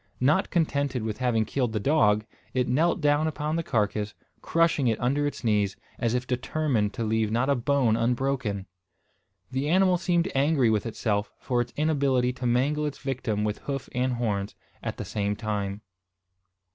Not contented with having killed the dog, it knelt down upon the carcass, crushing it under its knees, as if determined to leave not a bone unbroken! The animal seemed angry with itself for its inability to mangle its victim with hoof and horns, at the same time.